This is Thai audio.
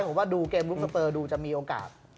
ผมว่าดูเกมลุกสเปอร์ดูจะมีโอกาส